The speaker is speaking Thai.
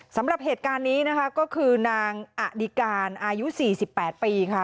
สำหรับเหตุการณ์นี้นะคะก็คือนางอดิการอายุ๔๘ปีค่ะ